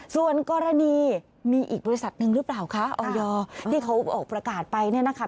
ส่วนกรณีมีอีกบริษัทหนึ่งหรือเปล่าคะออยที่เขาออกประกาศไปเนี่ยนะคะ